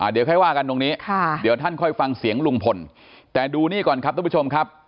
เดี๋ยวค่อยว่ากันตรงนี้เดี๋ยวท่านค่อยฟังเสียงลุงพลแต่ดูนี่ก่อนครับทุกผู้ชมครับ